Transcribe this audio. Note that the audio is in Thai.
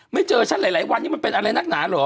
ไม่เจอฉันหลายวันนี้มันเป็นอะไรนักหนาเหรอ